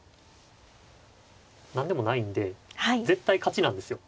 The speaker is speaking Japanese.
何でもないんで絶対勝ちなんですよ。